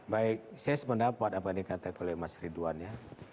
baik saya sependapat apa yang dikatakan oleh mas ridwan ya